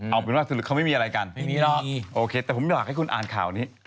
เอาเป็นว่าสรุปเขาไม่มีอะไรกันโอเคแต่ผมอยากให้คุณอ่านข่าวนี้